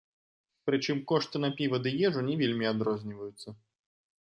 Прычым кошты на піва ды ежу не вельмі адрозніваюцца.